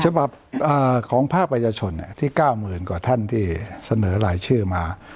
เฉศสภาพของพระประชาชนที่๙๐๐๐๐กว่าท่านที่เสนอรายชื่อมา